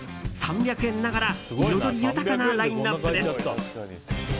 ３００円ながら彩り豊かなラインアップです。